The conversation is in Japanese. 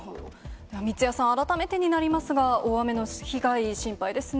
三屋さん、改めてになりますが、大雨の被害、心配ですね。